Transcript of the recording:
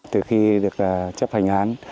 từ khi được chấp hành án